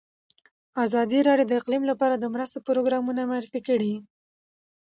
ازادي راډیو د اقلیم لپاره د مرستو پروګرامونه معرفي کړي.